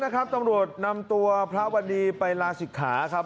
จากนั้นนะครับตำรวจนำตัวพระวัดีไปลาศิกขาครับ